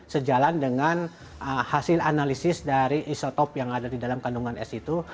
sejalan dengan hasil analisis dari isotop yang ada di dalam kandungan es itu